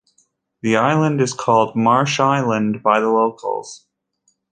The island is called 'Marsh Island' by the locals.